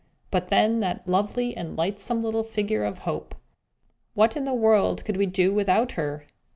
But then that lovely and lightsome little figure of Hope! What in the world could we do without her?